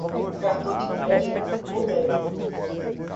Cartão de crédito ou débito